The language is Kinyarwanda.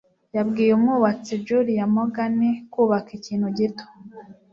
yabwiye umwubatsi Julia Morgan "kubaka ikintu gito"